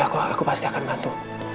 apa saja aku pasti akan bantu